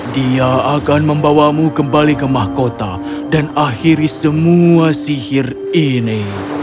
dia akan membawamu kembali ke mahkota dan akhiri semua sihir ini